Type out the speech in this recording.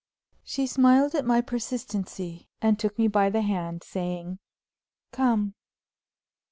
She smiled at my persistency, and took me by the hand, saying, "Come!"